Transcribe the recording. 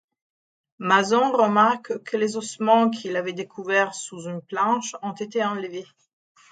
Mason remarque que les ossements qu'il avait découvert sous une planche ont été enlevés.